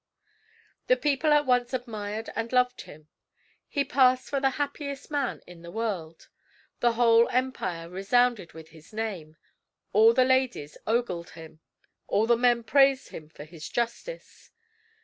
The people at once admired and loved him. He passed for the happiest man in the world. The whole empire resounded with his name. All the ladies ogled him. All the men praised him for his justice.